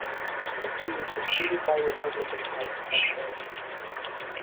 He was succeeded by Republican Mike Pompeo.